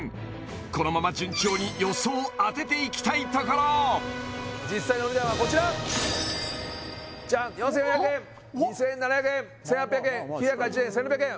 このまま順調に予想を当てていきたいところ実際のお値段はこちらジャン４４００円２７００円１８００円９８０円１６００円